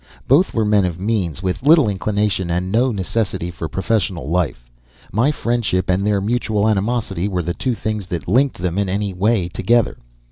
Both were men of means, with little inclination and no necessity for professional life. My friendship and their mutual animosity were the two things that linked them in any way together.